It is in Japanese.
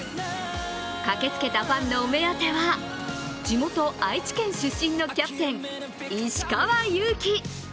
駆けつけたファンのお目当ては地元・愛知県出身のキャプテン・石川祐希。